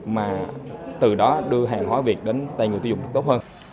mà từ đó đưa hàng hóa việc đến tay người tiêu dùng được tốt hơn